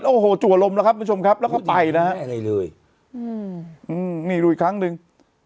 โอ้โหจัวลมแล้วครับคุณผู้ชมครับแล้วก็ไปนะฮะไม่อะไรเลยอืมนี่ดูอีกครั้งหนึ่ง